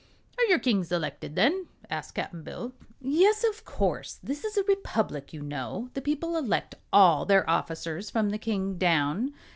"Are your kings elected, then?" asked Cap'n Bill. "Yes, of course; this is a Republic, you know. The people elect all their officers, from the King down.